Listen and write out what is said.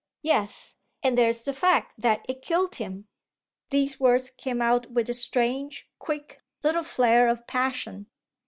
"Yes, and there's the fact that it killed him!" These words came out with a strange, quick, little flare of passion.